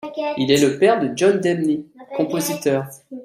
Il est le père de John Debney, compositeur.